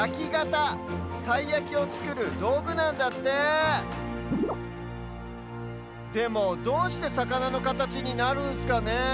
たいやきをつくるどうぐなんだってでもどうしてさかなのかたちになるんすかねえ。